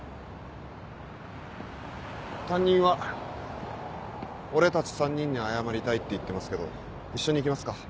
担任は俺たち３人に謝りたいって言ってますけど一緒に行きますか？